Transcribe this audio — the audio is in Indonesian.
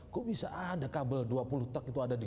kok bisa ada kabel dua puluh truk itu ada di